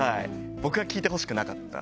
僕は聞いてほしくなかった。